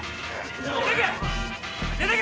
出てけ！